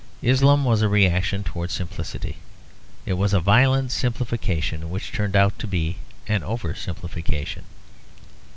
Islam was a reaction towards simplicity; it was a violent simplification, which turned out to be an over simplification.